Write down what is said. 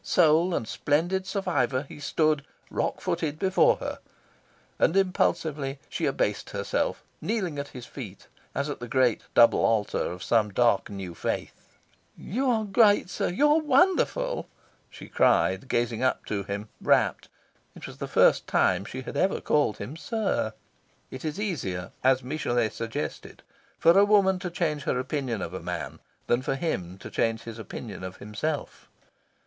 Sole and splendid survivor he stood, rock footed, before her. And impulsively she abased herself, kneeling at his feet as at the great double altar of some dark new faith. "You are great, sir, you are wonderful," she said, gazing up to him, rapt. It was the first time she had ever called him "sir." It is easier, as Michelet suggested, for a woman to change her opinion of a man than for him to change his opinion of himself.